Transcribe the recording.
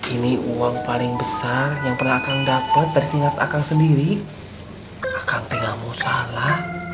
ini uang paling besar yang pernah akan dapat dari kinerja akan sendiri akan pengamu salah